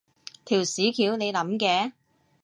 條屎橋你諗嘅？